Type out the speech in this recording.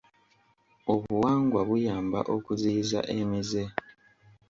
Obuwangwa buyamba okuziyiza emize.